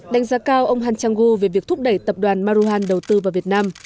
đánh giá cao ông han chang gu về việc thúc đẩy tập đoàn maruhan đầu tư vào việt nam